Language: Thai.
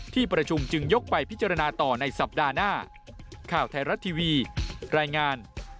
ที่ประชุมจึงยกไปพิจารณาต่อในสัปดาห์หน้า